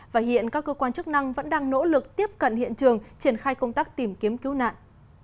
và hiện các cơ quan chức năng vẫn đang nỗ lực tiếp cận hiện trường triển khai công tác tìm kiếm cứu nạn